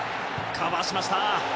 カバーしました。